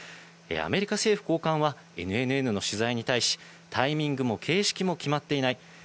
アメリカ政府高官はＮＮＮの取材に対し、タイミングも形式も決まっていない。